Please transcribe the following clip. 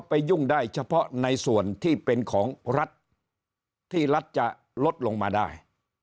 ยุ่งได้เฉพาะในส่วนที่เป็นของรัฐที่รัฐจะลดลงมาได้